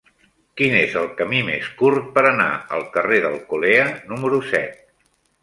Quin és el camí més curt per anar al carrer d'Alcolea número set?